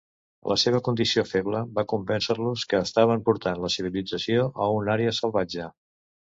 La seva condició feble va convèncer-los que estaven portant la civilització a una àrea salvatge.